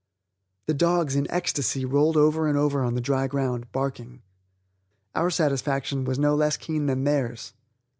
The dogs, in ecstasy, rolled over and over on the dry ground, barking. Our satisfaction was no less keen than theirs.